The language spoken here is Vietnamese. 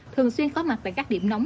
thường xuyên khó mặt tại các điểm nóng